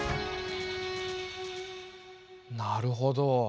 なるほど。